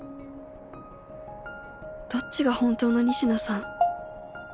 どっちが本当の仁科さん？